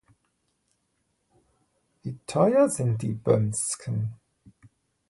Wie teuer sind die Bömmsken?